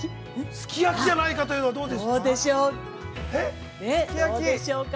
◆すき焼きじゃないかというのはどうでしょうか？